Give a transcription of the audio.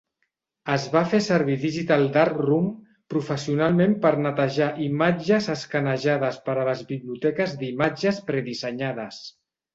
Es va fer servir Digital Darkroom professionalment per netejar imatges escanejades per a les biblioteques d'imatges predissenyades.